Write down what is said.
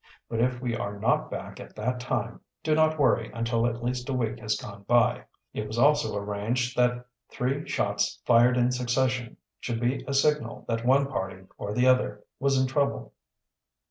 "But if we are not back at that time do not worry until at least a week has gone by." And so it was arranged. It was also arranged that three shots fired in succession should be a signal that one party or the other was in trouble.